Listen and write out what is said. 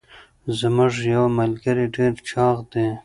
زمونږ یوه ملګري ډير چاغ دي.